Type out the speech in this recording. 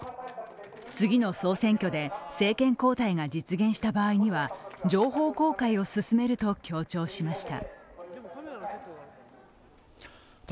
次の総選挙で政権交代が実現した場合には情報公開を進めると強調しました。